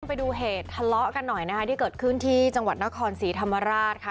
ไปดูเหตุทะเลาะกันหน่อยนะคะที่เกิดขึ้นที่จังหวัดนครศรีธรรมราชค่ะ